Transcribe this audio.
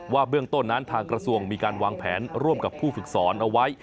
เบื้องต้นนั้นทางกระทรวงมีการวางแผนร่วมกับผู้ฝึกสอนเอาไว้